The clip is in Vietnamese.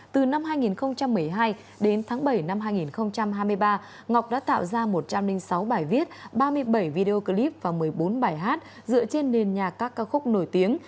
từ năm hai nghìn một mươi hai đến tháng bảy năm hai nghìn hai mươi ba ngọc đã tạo ra một trăm linh sáu bài viết ba mươi bảy video clip và một mươi bốn bài hát dựa trên nền nhạc các ca khúc nổi tiếng